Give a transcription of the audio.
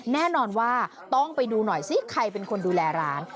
แน่นอนว่าต้องไปดูหน่อยซิใครเป็นคนดูแลร้าน